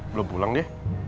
belom pulang dia